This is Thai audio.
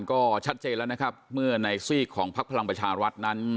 ก็ชัดเจนแล้วนะครับเมื่อในซีกของพักพลังประชารัฐนั้น